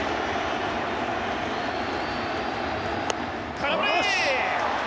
空振り！